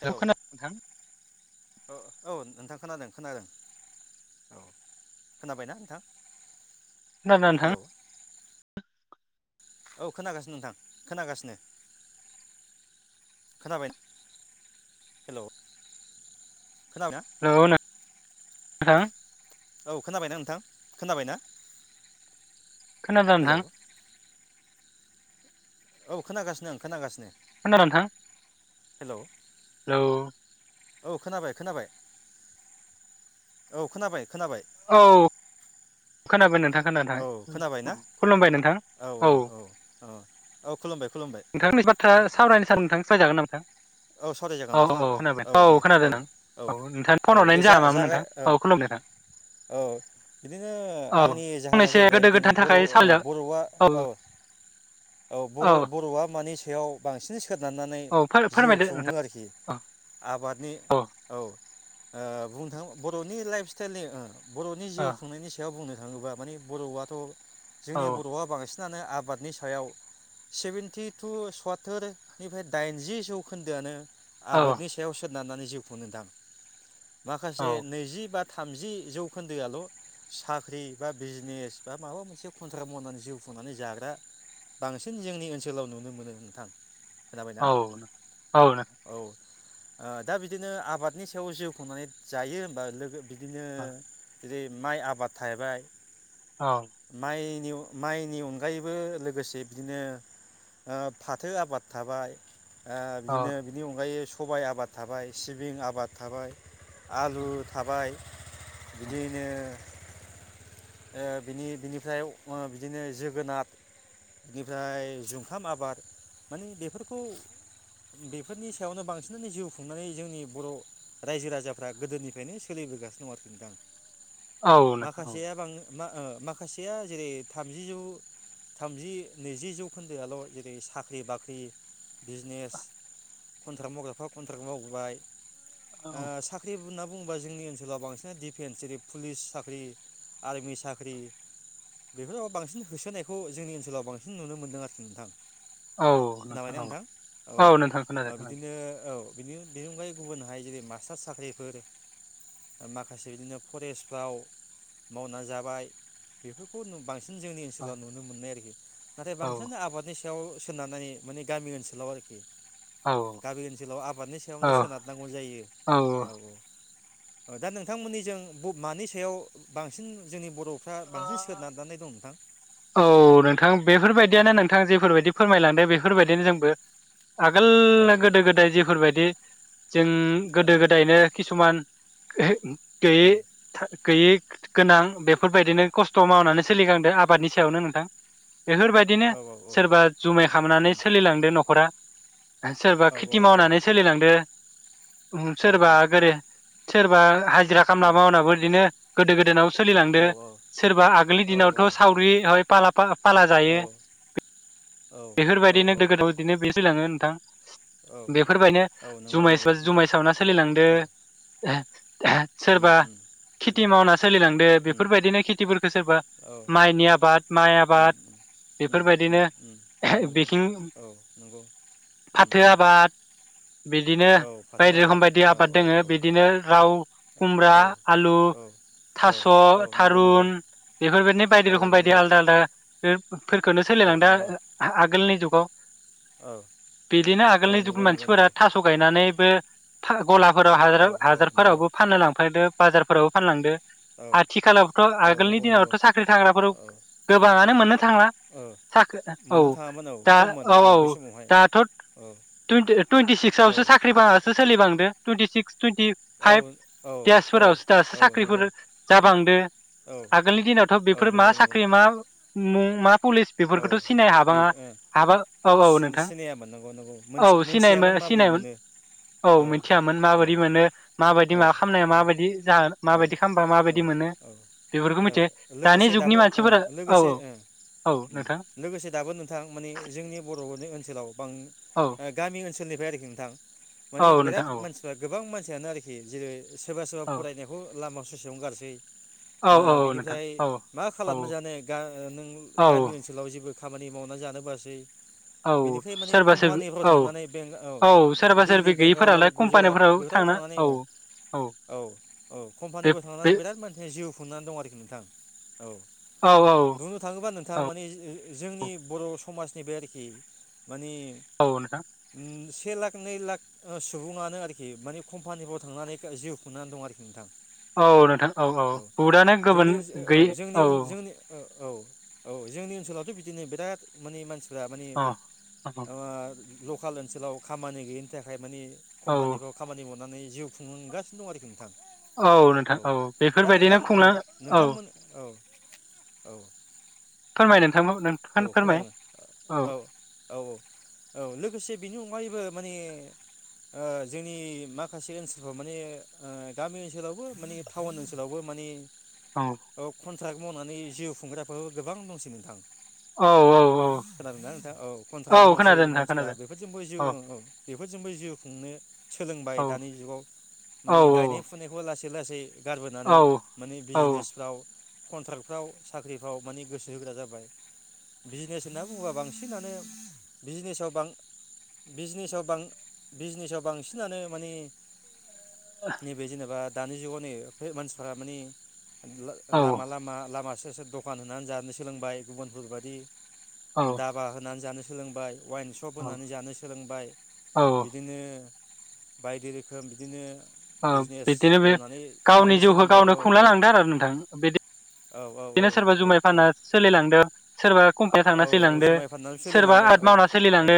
Hello खोनादों ना नोंथां? औ औ नोंथां खोनादों खोनादों औ। खोनाबायना नोंथां? खोनादों ना नोंथां? हेलौ औ खोनागासिनो नोंथां। खोनागासिनो खोनाबाय, हेलौ खोनाबायना? हो? औ खोनाबायना नोंथां खोनाबाय ना खोनादोंना नोंथां औ खोनागासिनो आं खोनागासिनो खोनादों ना नोंथां हेलौ [unintelligible] औ खोनाबाय खोनाबाय औ खोनाबाय खोनाबाय औ खोनाबाय नोंथां खोनादों औ खोनाबाय ना खुलुमबाय नोंथां औ - औ - औ - औ - औ खुलुमबाय खुलुमबाय औ नोंथांनि बाथ्रा सावरायनो सानो नोंथां [inaudible] औ सावराय औ जागोन औ सावराय जागोन खोनाबाय औ दे खोनादों औ नोंथां - औ नोंथां - फन औ दे हरनायनि जाहोना मामोन जा-जा-जागाय नोंथां औ खुलुमबाय नोंथां - औ बिदिनो बिदिनो औ आंनि जाहोना फंनैसो जाहैबाय गोदो बिदिनो गोदायनि बरओ थाखाय सावरायजा बरआ औ औ बर बरआ मानि बेयाव बांसिन सो नारनानै औ जिउ फोरमायदो खुङो नोंथां आरोखि औ आबादनि औ बुंनो थाङोबा बरनि लाइफ [unintelligible] बरनि औ जिउ खुंनायनि सायाव बुंनो थाङोबा माने बरआथ औ जोंनि बरआ बांसिन आनो आबादनि सायाव सेभेेनति तु सुवाथोरनिफ्राय दाइनजि जौखोन्दोआनो औ आबादनि सायाव सो नारनानै जिउ खुङो नोंथां। औ माखासे नैजि बा थामजि जौखोन्दोआल साख्रि बा बिजनेस बा माबा मोनसे खन्थ्रा मनानै जिउ खुंनानै जाग्रा बांसिन जोंनि ओनसोलाव नुनो मोनो नोंथां औनो औनो। ओ दा बिदिनो आबादनि सायाव जिउ खुंनानै जायो होनबा लोगो बिदिनो औ जेरै माइ आबाद थाहैबाय औ माइ नि माइनि अनगायैबो लोगोसे बिदिनो ओ फाथो आबाद थाबाय ओ औ बिदिनो बिनि अनगायै स सबाय आबाद थाबाय सिबिं आबाद थाबाय आलु थाबाय बिदियैनो ओ बिनि बिनिफ्राय ओ बिदिनो जोगोनाद बिनिफ्राय जुंखाम आबाद माने बेफोरखौ बेफोरनि सायावनो बांसिनानो जिउ खुंनानै जोंनि बर' रायजो राजाफ्रा गोदोनिफ्रायनो सोलिबोगासिनो दं आरो नोंथां। औ नोंथां औ। माखासेया बां मा माखासेया जेरै थामजि जौ थामजि नैजि जौखोन्दोआल' जेरै साख्रि बाख्रि बिजनेस कन्ट्राक्ट मावग्राफ्रा कन्ट्राक्ट मावबोबाय। ओ औ साख्रि होना बुङो बुंबा जोंनि ओनसोलाव बांसिन डिफेन्स जेरै पुलिस साख्रि आर्मि साख्रि बेफोरो बांसिन होसोनायखौ जोंनि ओनसोलाव बांसिन नुनो मोनदों आरोखि नोंथां। औ नोंथां औ औ नोंथां ओ खोनादों खोनादों। बिदिनो औ बिनि बेनि अनगायै गुबुनहाय जेरै मास्टार साख्रिफोर माखासे बिदिनो फरेस्टफ्राव मावनानै जा बाय बेफोरखौ जों बां सिन जोंनि औ ओनसोलाव नुनो मोनो आरोखि। नाथाय औ बांसिनानो आबादनि आखायाव सोनारनानै माने गामि ओनसोलाव आरोखि।। औ गामि ओनसोलाव आबादनि औ सायावनो सोनारनांगौ जायो औ औ। दा नोंथांमोननि जों ब मानि सायाव बांसिन जोंनि ब र'फ्रा बांसिन सोनारना दं नोंथां? औ नोंथां बेफोरबायदियानो नोंथां जेफोरबायदि फोरमायलांदों बेफोरबायदिनो जोंबो। औ आगोल गोदो गोदाय जिफोरबायदि जों औ गोदो गोदायनो किसुमान [inaudible] गैयै उम था गैयै गोनां बेफोरबायदिनो खस्थ' मावनानै सोलिखांदों आबादनि सायावनो नोंथां। बेफोरबायदिनो औ औ औ सोरबा जुमाय खामनानै उम सोलिलांदों न'खरा। सोरबा औ खेथि औ मावनानै सोलिलांदों। औ सोरबा गोरो सोरबा हा जिरा खालामना मावनाबो बिदिनो गोदो गोदायनाव सोलिलांदों औ औ सोरबा आगोलनि दिनावथ' सावरि फाला जायो औ बेफोरबायदिनो गोदो बिदिनो बे सोलिलाङो। थां औ बेफोरबायनो औ नंगौ जुमाय नंगौ नोंथां जुमाय सावना सोलिलांदो औ उम सोरबा उम उम खेथि मावना सोलिलांदो उम बेफोरबायदिनो खेथिफोरखौ सोरबा औ माइनि आबाद माइ उम उम आबाद उम बेफोरबायदिनो उम उम नंगौ बिथिं औ नंगौ उम फाथो उम आबाद बिदिनो औ फाथो बायदि रोखोम आबाद बायदि औ आबाद औ दोंङो औ बिदिनो लाउ खुमब्रा आलु औ औ थास औ नंगौ नंगौ थारुन औ बेफोरबायदि रोखोम बायदि नंगौ आलदा आलदा [unintelligible] फोरखौनो औ सोलायलां दा नंगौ आगोलनि जुग अ औ बिदिनो आगोलनि औ नंगौ जुगनि नंगौ मानसिफोरा नंगौ थास गायनानैबो था गलाफोराव हाजार औ औ नंगौ हाजारफोरावबो फाननो लांफायदो बाजारफोरावबो फानलांदो औ आथिखालावथ औ आगोलनि नंगौ नंगौ औ दिनावथ साख ख्रि थाग्राफोराव गोबाङानो मोननो थांला ओ साख्रि औ मोननो थाङामोन औ दा खममोन औ ओ बे औ समावहाय दाथ औ टुइन्टि औ सिक्सआवसो साख्रि फाङास सोलिबांदो टुइन्टि सिक्स टुइन्टि औ फाइभ औ औ इयारसफोरावसो दासो औ साख्रिफोर नंगौ जाबांदो औ आगोलनि दिनाव औ बेफोर मा नंगौ नंगौ साख्रि मा मा पुलिस औ बेफोरखौथ सिनाय बे हाबाङा ओ हाबा औ औ नोंथां सिनायामोन नंगौ नंगौ औ सिनाय मोनथियामोन माबोरै सिनायोन मोनो औ मिथियामोन औ माबायदि मोनो माबायदि औ माबा खालामनाया माबायदि जाहो माबायदि खालामबा औ माबायदि मोनो औ बेफोरखौ औ मिथियो दानि लोगोसे जुगनि दाबो मानसिफोरा औ लोगोसे औ औ नोंथां लोगोसे दाबो नोंथां माने जोंनि बरनि ओनसोलाव औ गामि ओनसोल सोरनिफ्राय आरोखि नोंथां माने औ बिराद नोंथां औ मानसिफ्रा गोबां मानसि फिनो आरोखि जेरै- सोरबा सोरबा औ फरायनायखौ लामा ससेयावनो गारसै औ ओ औ औ नोंथां बिनिफ्राय औ मा औ खालामना जानो नों गामि औ ओनसोलाव जेबो खामानि मावनानै जानोबासै औ बेनिफ्राय माने सोरबा सोरबि कम्पानिफोराव औ थांनानै बे औ सोरबा दिल्ली सोरबि बेंगालर गैयिफोरालाय गुजरात कम्पानिफोराव बेफोराव थांना थांनानै औ औ औ बे कम्पानिफोराव थांनानै बे बिराद मानसि जिउ खुनानै दं आरोखि नोंथां औ औ औ बुंनो थाङोबा नोंथां औ माने जोंनि बर' समाजनि बे आरोखि माने औ नोंथां उम से लाख नै लाख सुबुङानो आरोखि माने कम्पानिफ्राव थांनानै जिउ खुंनानै दं आरोखि नोंथां औ नोंथां औ औ बुहुदानो जोंनि गुबुन ओनसोल गैयि जोंनि औ जोंनि औ औ जोंनि ओनसोलावथ' बिदिनो बिराद माने मानसि फोरा माने औ औ माबा लकेल ओनसोलाव खामानि गैयिनि थाखाय मानि औ कम्पानिफ्राव खामानि माव नानै जिउ खुंनगासिनो दं आरोखि औ नोंथां औ दा नोंथां बेफोरबायदिनो ओ खुंला औ नोंथांमोन औ औ फोरमायगोन औ खोनादों औ औ औ औ लोगोसे बिनि अनगायबो माने ओ जोंनि माखासे ओनसोलफ्राव माने गामि ओनसोलावबो माने टाउन ओनसोलावबो माने औ कनट्राग मावनानै जिउ खुंग्राफोराबो गोबां दंसै नोंथां औ औ औ खोनादोंना नोंथां औ कन्ट्राक औ मावसै खोनादों नोंथां मानसिफ्रा खोनादों बेफोरजोंबो जिउ औ औ बेफोरजोंबो जिउ खुंनो सोलोंबाय औ दानि जुगाव औ माने गायनाय फुनायखौ लासै लासै औ गारबोनानै माने औ बिजनेसफ्राव कन्ट्रक्टफ्राव साख्रिफ्राव माने गोसो होग्रा जाबाय। बिजनेस होनना बुङोबा बांसिनानो बिजनेसआव बां बिजनेसाव बांसिनानो माने नैबे जेनेबा दानि जुगावनै मानसिफ मानि ल लामा लामा लामा स स सोर दखान होनानै जानो सोलोंबाय गुबुन फोरबादि औ दाबा होनानै जानो स सोलोंबाय वाइन सप होनानै जानो सोलोंबाय औ बिदिनो बायदि रोखोम बिदिनो ओ बिजनेस बिदिनो बे मावनानै गावनि जानो जिउखौ सोलोंबाय गावनो औ खुंला औ लांदों आरो नोंथां बिदि औ दिनो सोरबा जुमाय फाना औ सोलिलांदो [unintelligible] सोरबा कम्पानियाव औ थांना औ सोलिलांदों जुमाय फाननानै सोरबा सोलिलांदों आट औ मावना औ सोलिलांदो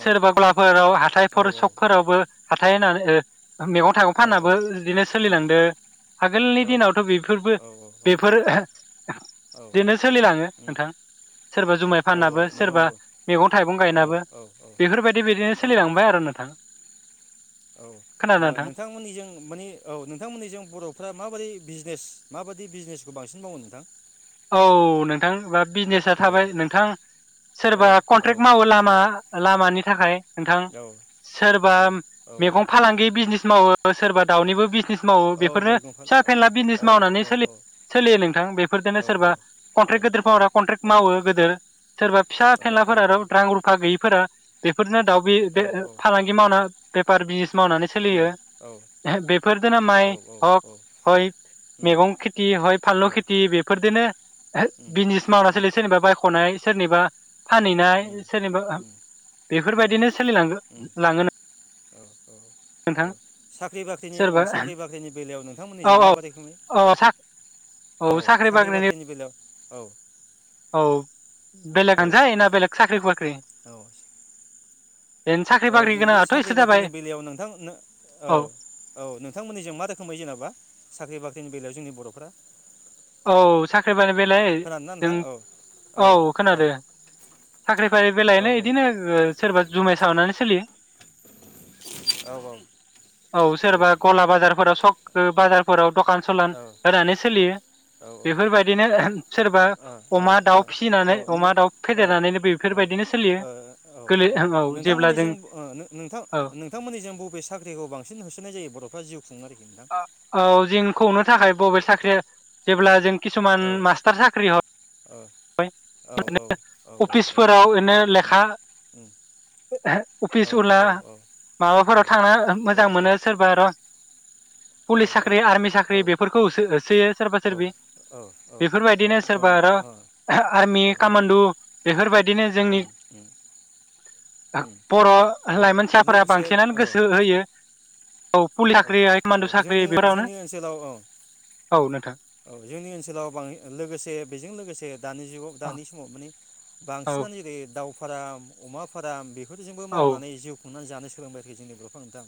औ सोरबा गलाफोराव हाथायफोर औ सकफोरावबो हा [unintelligible] मैगं थाइगं औ फानाबो बिदिनो उम सोलिलांदो आगोलनि औ दिनावथ' बेफोरबो औ बेफोर औ बिदिनो सोलिलाङो उम नोंथां सोरबा जुमाय औ फाननाबो नंगौ सोरबा नंगौ मैगं थाइगं औ औ गायनाबो औ बेफोरबायदि बिदिनो औ सोलिलांबाय आरो नोंथां औ ओ खोनादों नोंथां नोंथांमोननिजों माने औ नोंथांमोननिजों बर'फ्रा माबोरै बिजिनेस माबायदि बिजिनेसखौ बांसिन मावो नोंथां? औ नोंथां बिजिनेसा औ थाबाय नोंथां औ सोरबा औ कन्ट्रेक्ट मावो लामा लामानि थाखाय नोंथां औ सोरबा औ मैगं औ फालांगि बिजिनेस मावो सोरबा दाउनिबो बिजिनिस मावो औ बेफोरनो मैगं फान फिसा फेनला बिजिनिस औ मावनानै औ सोलि सोलियो नोंथां बेफोरजोंनो औ सोरबा कन्ट्रेक्ट गिदिर फावारा कन्ट्रेक्ट औ औ मावो गोदोर सोरबा फिसा फेनलाफोरा रां रुफा गैयिफोरा बेफोरनो दाउ बि बे औ फालांगि मावना बेफार बिस मावनानै औ सोलियो औ औ बेफोर दोनो औ उम औ उम माइ हक हय मैगं खेथि हय फानलु खिथि बे [unintelligible] बिजिनिस मावना सोलि बाय नाय सोरनिबा फानहैनाय सोरनिबा ओ उम उम बेफोरबायदिनो सोलिला उम लाङो औ औ ओ नोंथां साख्रि बाख्रिनि ओ सोरबा साख्रि बाख्रिनि बेलायाव औ नोंथांमोननिजों औ माबोरैखो नुयो औ सा औ साख्रि बाख्रिनि बेलायाव औ औ बेलेगानो औ जायो ना बेलेग साख्रि बाख्रि औ ओरैनो साख्रि औ बाख्रि [unintelligible] गोनाङाथ' साख्रि इसोर जाबाय बाख्रिनि बेलायाव नोंथां औ औ नोथांमोनिजों मा रोखोमै जेनेबा साख्रि बाख्रिनि बेलायाव जोंनि बरफोरा औ साख्रि बाय बेलाय जों नोंथां औ औ खोनादों साख्रि फारि औ बेलायनो यिदिनो ओ सोरबा जुमाय सावनानै सोलियो [inaudible] औ सोरबा गला बाजारफोराव स ओ बाजारफोराव दखान सलान होनानै सोलियो। औ औ औ ओ ओ ओ औ नो औ बेफोरबायदिनो सोरबा अमा दाउ फिसिनानै अमा दाउ फेदेरनानैनो औ ओ बेफोरबायदिनो सोलियो औ गोरलै औ जेब्ला जों नोंथांमोननिजों ओ नोथां औ नोंथांमोननिजों बबे साख्रिखौ बांसिन होसोनाय जायो बरफ्रा जिउ खुंन ओ औ जों खौनो थाखाय बबे साख्रिया जेब्ला जों। खिसुमान औ मास्टार साख्रि हा औ [unintelligible] बाय ओरैनो औ औ अफिसफोराव ओरैनो उम लेखा उम औ अफिस उला औ औ माबाफोराव थांना औ मोजां मोनो सोरबा र। पुलिस साख्रि आर्मि साख्रि बेफोरखौ होसो-होसोयो सोरबा सोरबि औ औ बेफोर बायदिनो सोरबा ओम आरो ओ आर्मि औ नंगौ कामानडु बेफोर बायदिनो जोंनि उम उम उम बर' औ लाइमोनसाफोरा लोगोसे बांसिनानो औ गोसो होयो। औ पुलिस साख्रि [unintelligible] औ जोंनि बेफोरावनो जोंनि ओनसोलाव औ औ नोंथां औ जोंनि ओनसोलाव बां लोगोसे बेजों लोगोसे। दानि जुगाव औ दानि समाव माने औ बांसिनानो एरै दाउ फाराम अमा फाराम बेफोरजोंबो औ मावनानै जिउ संनानै जानो सोलोंबाय आरोखि जोंनि बर'फोरा नोंथां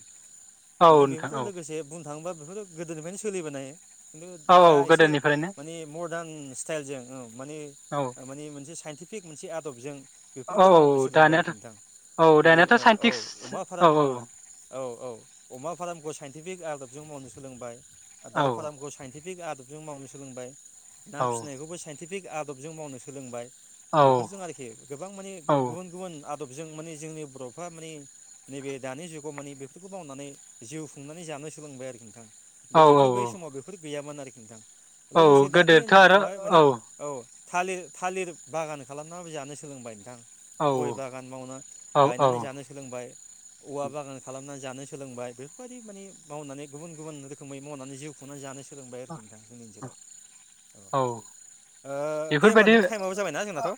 औ माने नोंथां बेखौथ' औ लोगोसे बुं थाङोबा बेफोर गोदोनिफ्रायनो सोलिबोनाय औ दा औ एसे गोदोनिफ्रायनो माने मरदान स्टाइलजों ओ माने औ माने मोनसे साइनटि थिग मोनसे आदबजों औ बेफोरखौ मावनो औ सोलोंबाय दानियाथ' आरोखि नोंथां औ जेरै दानियाथ' ओ औ साइन्टिस्ट अमा फाराम औ औ ओ औ औ अमा फाराम साइन बिबेग आदबजों मावनो सोलोंबाय। औ दाउ फारामखो साइनटि थिग आदबजों मावनो सोलोंबाय ना औ फिसिनायखौबो साइन्टिफिक आदबजों मावनो सोलोंबाय औ बेफोरजों आरोखि गोबां माने औ गुबुन गुबुन आ आदबजों माने जोंनि बर'फ्रा माने नैबे दानि जुगाव माने बेफोरखौ मावनानै जिउ खुंनानै जानो सोलोंबाय आरोखि नोंथां औ गोदोथ' बै औ समाव बेफोर गैयामोन आरोखि नोंथां औ लोगोसे दानि गोदोथ' ओन आरो [unintelligible] माने औ थालिर-थालिर बागान खालामनाबो जानो सोलोंबाय नोंथां औ गय बागान मावनो औ औ गायनानै जानो सोलोंबाय औवा बागान खालामनानै जानो सोलोंबाय बेफोरबायदि माने मावनानै गुबुन गुबुन रोखोमै मावनानै जिउखुंनानै जानो सो सोलोंबाय आरोखि नोंथां जोंनि ओनसोलाव औ ओ दे होमबा बेफोरबायदि नोंथ टाइमाबो जाबायनाा जोंनाथ' औ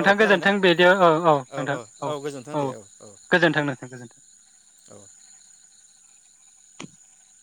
औ खोनाबायना गोजोन्थों बिदि औ औ औ नोंथां औ गोजोनथों दे औ गोजोन्थों नोंथां गोजोन्थों औ औ [inaudible]